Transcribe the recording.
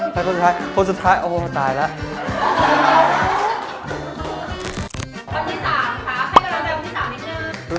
ใครกำลังจะอยู่สังพันธ์ที่๓นิดนึง